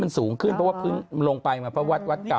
มันสูงขึ้นเพราะว่าพื้นลงไปมาเพราะวัดวัดเก่า